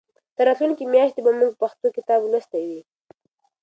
تر راتلونکې میاشتې به موږ پښتو کتاب لوستی وي.